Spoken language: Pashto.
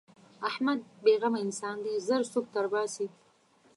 احمد بې زغمه انسان دی؛ ژر سوک تر باسي.